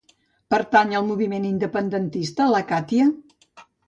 Pertany al moviment independentista la Katya?